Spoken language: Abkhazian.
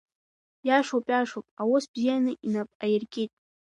Иашоуп, иашоуп, аус бзианы инап аиркит…